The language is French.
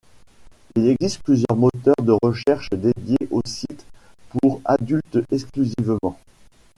Il existe plusieurs moteurs de recherche dédiés aux sites pour adultes exclusivement.